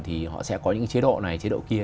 thì họ sẽ có những chế độ này chế độ kia